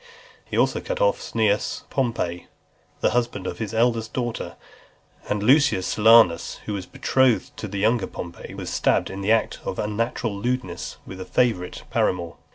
He also cut off Cneius Pompey, the husband of his eldest daughter; and Lucius Silanus, who was betrothed to the younger Pompey, was stabbed in the act of unnatural lewdness with a favourite paramour.